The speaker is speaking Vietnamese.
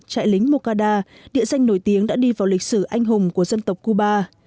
trại lính moncada địa danh nổi tiếng đã đi vào lịch sử anh hùng của dân tộc cuba